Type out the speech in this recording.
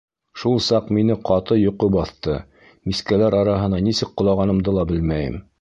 Шул саҡ мине ҡаты йоҡо баҫты, мискәләр араһына нисек ҡолағанымды ла белмәйем.